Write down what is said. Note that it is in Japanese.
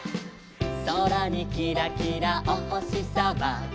「そらにキラキラおほしさま」